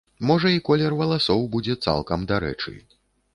Можа і колер валасоў будзе цалкам дарэчы.